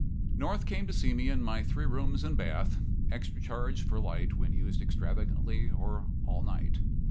North came to see me in my three rooms and bath, extra charge for light when used extravagantly or all night.